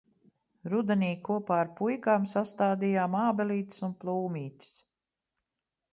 Rudenī, kopā ar puikām sastādījām ābelītes un plūmītes.